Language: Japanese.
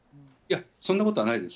そんなことはないです。